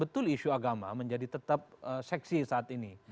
betul isu agama menjadi tetap seksi saat ini